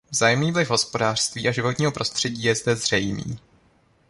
Vzájemný vliv hospodářství a životního prostředí je zde zřejmý.